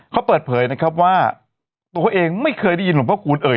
เขาเปิดเผยนะครับว่าตัวเองไม่เคยได้ยินหลวงพระคูณเอ่ย